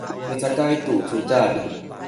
micakay tu cudad